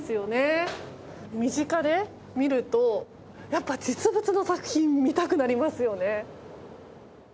身近で見るとやっぱ実物の作品見たくなりますよね。